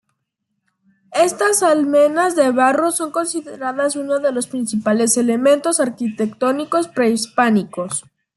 Estas almenas de barro son consideradas uno de los principales elementos arquitectónicos prehispánicos.